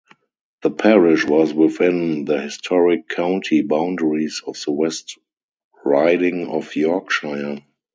The parish was within the historic county boundaries of the West Riding of Yorkshire.